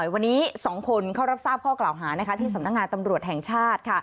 วันนี้๒คนเข้ารับทราบข้อกล่าวหาที่สำนักงานตำรวจแห่งชาติ